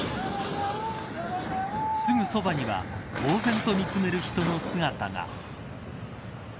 すぐそばには呆然と見つめる人の姿が。